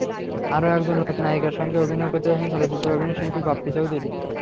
আরও একজন নতুন নায়িকার সঙ্গে অভিনয় করতে যাচ্ছেন চলচ্চিত্র অভিনয়শিল্পী বাপ্পি চৌধুরী।